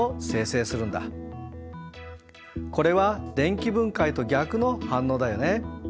これは電気分解と逆の反応だよね。